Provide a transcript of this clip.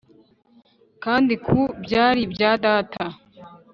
Kandi ku byari ibya data